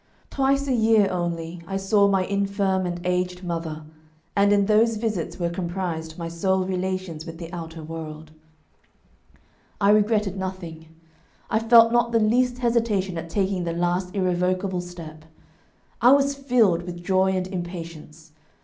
Twice a year only I saw my infirm and aged mother, and in those visits were comprised my sole relations with the outer world. I regretted nothing; I felt not the least hesitation at taking the last irrevocable step; I was filled with joy and impatience.